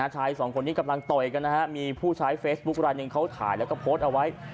ชายสองคนนี้กำลังต่อยกันนะฮะมีผู้ใช้เฟซบุ๊คลายหนึ่งเขาถ่ายแล้วก็โพสต์เอาไว้